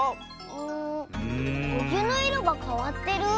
んおゆのいろがかわってる？